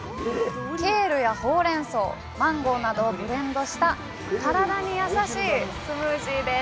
ケールやほうれんそう・マンゴーなどをブレンドした体に優しいスムージーです